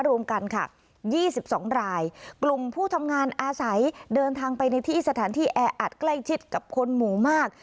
รวมกันค่ะ๒๒รายกลุ่มผู้ทำงานอาศัยเดินทางไปในที่สถานที่แออัดใกล้ชิดกับคนหมู่มาก